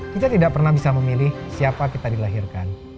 kita tidak pernah bisa memilih siapa kita dilahirkan